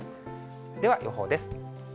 では、予報です。